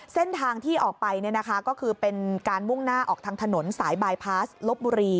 เส้นทางที่ออกไปก็คือเป็นการมุ่งหน้าออกทางถนนสายบายพาสลบบุรี